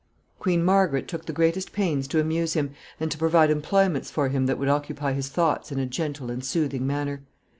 ] Queen Margaret took the greatest pains to amuse him, and to provide employments for him that would occupy his thoughts in a gentle and soothing manner.